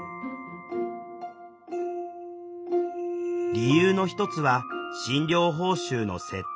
理由の一つは診療報酬の設定。